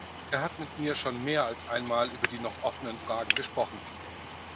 Er hat mit mir schon mehr als einmal über die noch offenen Fragen gesprochen.